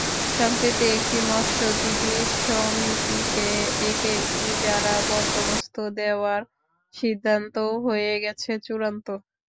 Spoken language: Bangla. সম্প্রতি একটি মৎস্যজীবী সমিতিকে একে ইজারা বন্দোবস্ত দেওয়ার সিদ্ধান্তও হয়ে গেছে চূড়ান্ত।